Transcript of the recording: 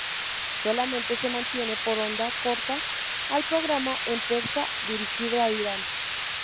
Solamente se mantiene por onda corta el programa en persa dirigido a Irán.